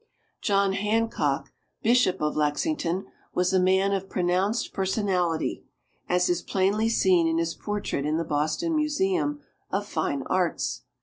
John Hancock, "Bishop of Lexington," was a man of pronounced personality, as is plainly seen in his portrait in the Boston Museum of Fine Arts.